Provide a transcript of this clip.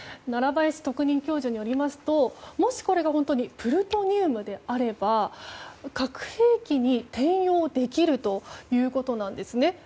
奈良林特任教授によりますともしこれが本当にプルトニウムであれば核兵器に転用できるということなんですね。